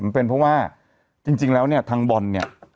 มันเป็นเพราะว่าจริงจริงแล้วเนี้ยทางบอลเนี้ย